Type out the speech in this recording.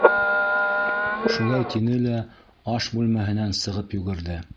Шулай тине лә аш бүлмәһенән сығып йүгерҙе.